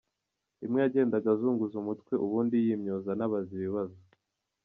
Rimwe yagendaga azunguza umutwe ubundi yimyoza anabaza ibibazo.